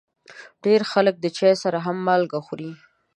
ډېری خلک د چای سره هم مالګه خوري.